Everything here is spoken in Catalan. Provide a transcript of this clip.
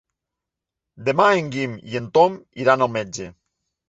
Demà en Guim i en Tom iran al metge.